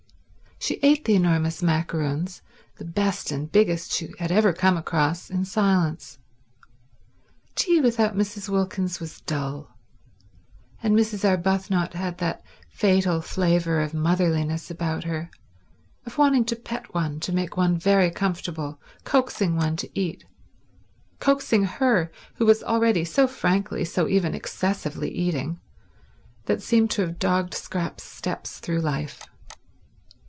She ate the enormous macaroons, the best and biggest she had ever come across, in silence. Tea without Mrs. Wilkins was dull; and Mrs. Arbuthnot had that fatal flavour of motherliness about her, of wanting to pet one, to make one very comfortable, coaxing one to eat— coaxing her, who was already so frankly, so even excessively, eating— that seemed to have dogged Scrap's steps through life.